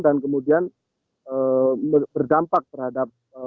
dan kemudian berdampak terhadap kematian tanaman